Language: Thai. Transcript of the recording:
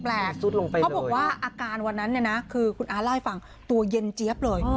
เขาบอกว่าอาการวันนั้นคือคุณอาล่ายฟังตัวเย็นเจี๊ยบเลย